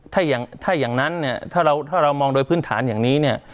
ถ้าอย่างถ้าอย่างนั้นเนี่ยถ้าเรามองโดยพื้นฐานอย่างนี้เนี่ย